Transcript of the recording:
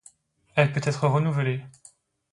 Elle peut être renouvelée.